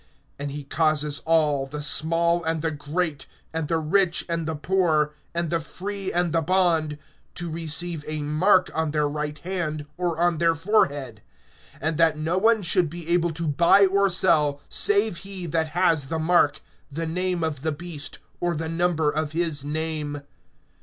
(16)And he causes all, the small and the great, and the rich and the poor, and the free and the bond, to receive a mark[13:16] on their right hand, or on their forehead; (17)and that no one should be able to buy or sell, save he that has the mark, the name of the beast, or the number of his name.